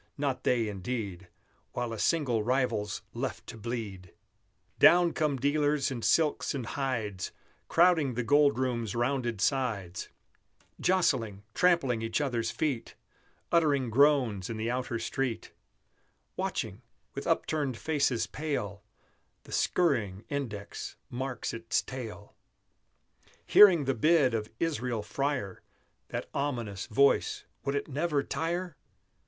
Not they, indeed, While a single rival's left to bleed! Down come dealers in silks and hides, Crowding the Gold Room's rounded sides, Jostling, trampling each other's feet, Uttering groans in the outer street; Watching, with upturned faces pale, The scurrying index mark its tale; Hearing the bid of Israel Freyer, That ominous voice, would it never tire?